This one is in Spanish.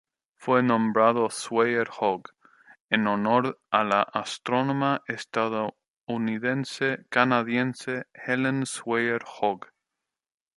Fue nombrado Sawyer Hogg en honor a la astrónoma estadounidense canadiense Helen Sawyer Hogg.